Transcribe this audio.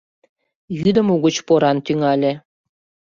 Йӱдым угыч поран тӱҥале.